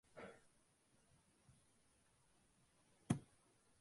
ஈர்ப்பு அல்லது ஈர்ப்பு விசை என்றால் என்ன?